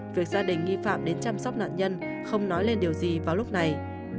việc gia đình nghi phạm đến chăm sóc nạn nhân không nói lên điều gì vào lúc này